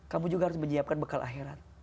kamu juga harus menyiapkan bekal akhirat